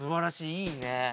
いいね。